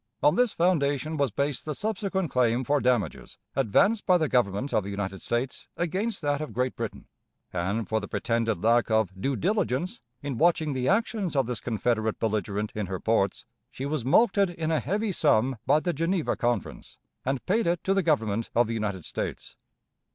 On this foundation was based the subsequent claim for damages, advanced by the Government of the United States against that of Great Britain; and, for the pretended lack of "due diligence" in watching the actions of this Confederate belligerent in her ports, she was mulcted in a heavy sum by the Geneva Conference, and paid it to the Government of the United States.